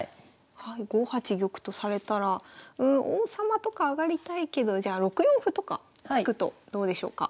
５八玉とされたらうん王様とか上がりたいけどじゃあ６四歩とか突くとどうでしょうか？